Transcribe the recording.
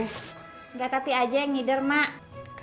enggak tapi aja yang ngider mak